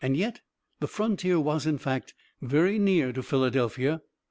Yet the frontier was in fact very near to Philadelphia.